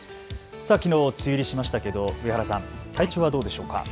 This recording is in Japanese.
きのう梅雨入りしましたけど上原さん、体調はどうでしょうか。